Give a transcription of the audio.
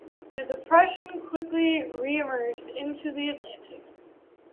The depression quickly re-emerged into the Atlantic.